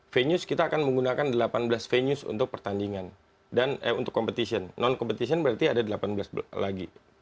venue kita akan menggunakan delapan belas venue untuk pertandingan dan untuk competition non competition berarti ada delapan belas lagi